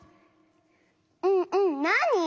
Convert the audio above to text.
うんうんなに？